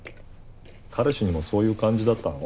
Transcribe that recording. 彼氏にもそういう感じだったの？